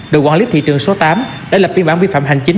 đội quản lý thị trường số tám đã lập biên bản vi phạm hành chính